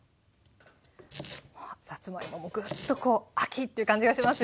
さつまいももグッと秋という感じがしますよね。